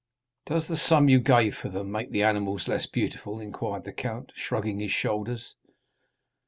"Does the sum you gave for them make the animals less beautiful," inquired the count, shrugging his shoulders.